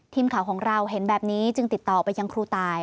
ทีมข่าวของเราเห็นแบบนี้จึงติดต่อไปยังครูตาย